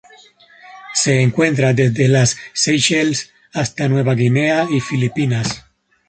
Se encuentra desde las Seychelles hasta Nueva Guinea y Filipinas.